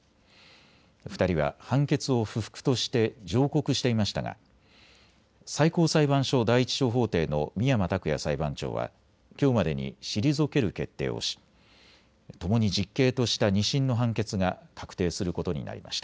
２人は判決を不服として上告していましたが最高裁判所第１小法廷の深山卓也裁判長はきょうまでに退ける決定をしともに実刑ととした２審の判決が確定することになりました。